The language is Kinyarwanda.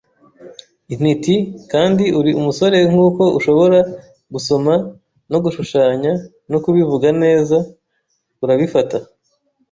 intiti, kandi uri umusore nkuko ushobora gusoma no gushushanya, no kubivuga neza, urabifata